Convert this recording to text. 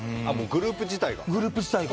グループ自体が。